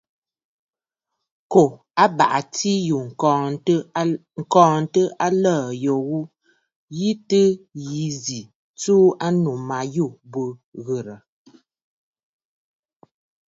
Kǒ abàʼati yû ŋ̀kɔɔntə aləə̀ yo ghu, ǹyi tɨ yǐ zì ǹtsuu ànnù ma yû bǔ burə ghɨghɨ̀rə̀!